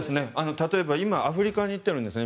例えば、今、アフリカに行っているんですね。